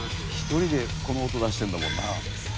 「１人でこの音出してるんだもんな」